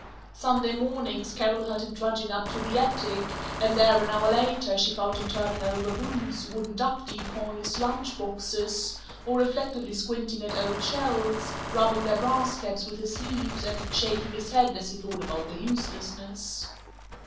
Sunday mornings Carol heard him trudging up to the attic and there, an hour later, she found him turning over boots, wooden duck decoys, lunch boxes, or reflectively squinting at old shells, rubbing their brass caps with his sleeve and shaking his head as he thought about their uselessness.